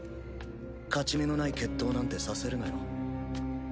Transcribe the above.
勝ち目のない決闘なんてさせるなよ。